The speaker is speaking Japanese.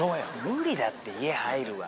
無理だって家入るは。